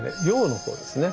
「謡」の方ですね